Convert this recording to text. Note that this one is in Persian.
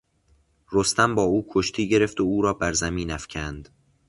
رستم با او کشتی گرفت و او را بر زمین افکند.